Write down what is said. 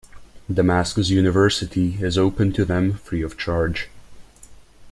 Damascus University is open to them free of charge.